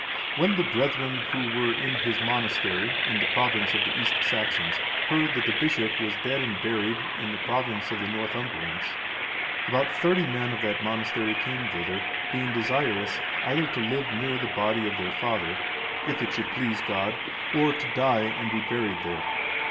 When the brethren who were in his monastery, in the province of the East Saxons,(430) heard that the bishop was dead and buried in the province of the Northumbrians, about thirty men of that monastery came thither, being desirous either to live near the body of their father, if it should please God, or to die and be buried there.